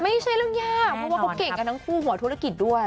ไม่ใช่เรื่องยากเพราะว่าเขาเก่งกันทั้งคู่หัวธุรกิจด้วย